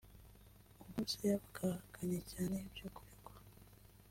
u Burusiya bwahakanye cyane ibyo buregwa